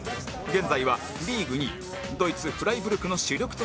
現在はリーグ２位ドイツフライブルクの主力として活躍